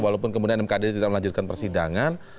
walaupun kemudian mkd tidak melanjutkan persidangan